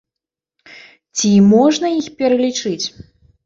Ці можна іх пералічыць?